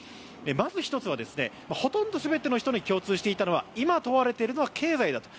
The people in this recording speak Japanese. まず１つは、ほとんど全ての人に共通していたのは今問われているのは経済だと。